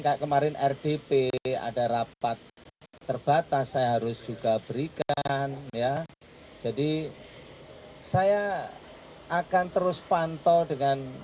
kayak kemarin rdp ada rapat terbatas saya harus juga berikan ya jadi saya akan terus pantau dengan